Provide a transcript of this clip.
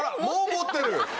もう持ってる！